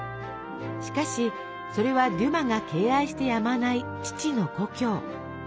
しかしそれはデュマが敬愛してやまない父の故郷。